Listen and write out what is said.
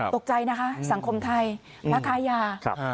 ตกใจนะคะสังคมไทยมาค้ายา